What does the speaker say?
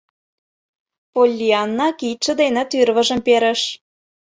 — Поллианна кидше дене тӱрвыжым перыш.